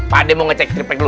pak de mau ngecek tripek dulu